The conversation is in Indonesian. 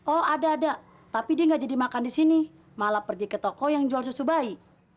oh ada ada tapi dia nggak jadi makan di sini malah pergi ke toko yang jual susu bayi